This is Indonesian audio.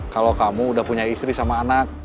kalau kamu udah punya istri sama anak